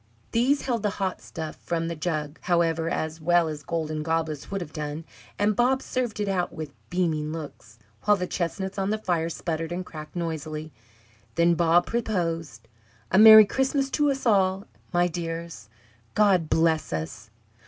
These held the hot stuff from the jug, however, as well as golden goblets would have done; and Bob served it out with beaming looks, while the chestnuts on the fire sputtered and cracked noisily. Then Bob proposed: "A Merry Christmas to us all, my dears. God bless us!"